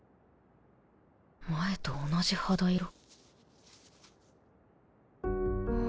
前と同じ肌色